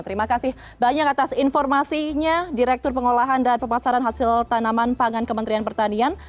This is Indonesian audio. terima kasih banyak atas informasinya direktur pengolahan dan pemasaran hasil tanaman pangan kementerian pertanian